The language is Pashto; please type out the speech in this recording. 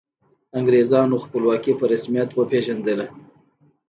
انګریزانو خپلواکي په رسمیت وپيژندله.